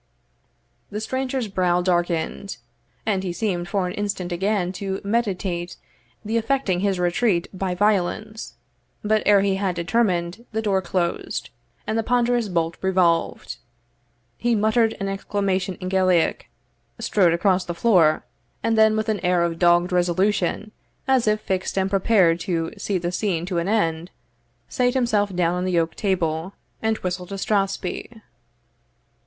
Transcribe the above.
The stranger's brow darkened, and he seemed for an instant again to meditate the effecting his retreat by violence; but ere he had determined, the door closed, and the ponderous bolt revolved. He muttered an exclamation in Gaelic, strode across the floor, and then, with an air of dogged resolution, as if fixed and prepared to see the scene to an end, sate himself down on the oak table, and whistled a strathspey.